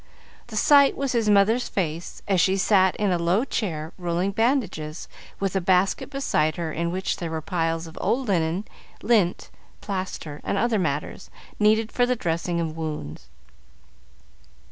The sight was his mother's face, as she sat in a low chair rolling bandages, with a basket beside her in which were piles of old linen, lint, plaster, and other matters, needed for the dressing of wounds.